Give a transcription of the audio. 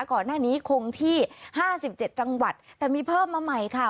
ก่อนหน้านี้คงที่๕๗จังหวัดแต่มีเพิ่มมาใหม่ค่ะ